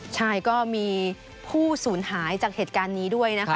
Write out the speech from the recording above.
ใช่ก็มีผู้สูญหายจากเหตุการณ์นี้ด้วยนะคะ